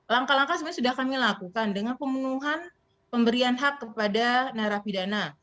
langkah langkah sebenarnya sudah kami lakukan dengan pemenuhan pemberian hak kepada narapidana